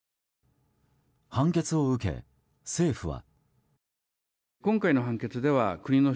判決を受け、政府は。